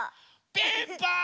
ピンポーン！